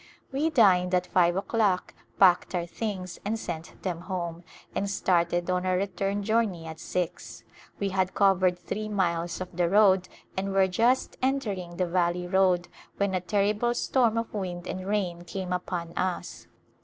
We dined at five o'clock, packed our things and sent them home, and started on our return journey at six; we had covered three miles of the road and were just entering the valley road when a terrible storm of wind and rain came upon us.